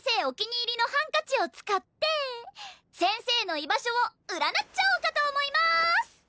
お気に入りのハンカチを使って先生の居場所を占っちゃおうかと思います！